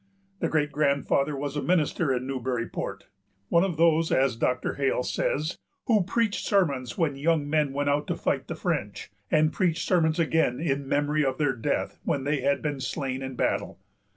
The great grandfather was a minister in Newburyport, one of those, as Dr. Hale says, "who preached sermons when young men went out to fight the French, and preached sermons again in memory of their death when they had been slain in battle."